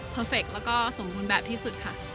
แล้วก็สมควรแบบที่สุดค่ะ